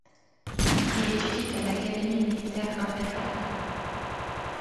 Il étudie à l’Académie militaire impériale.